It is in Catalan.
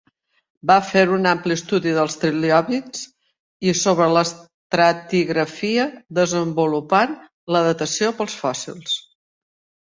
Va fer un ampli estudi dels trilobits i sobre estratigrafia desenvolupant la datació pels fòssils.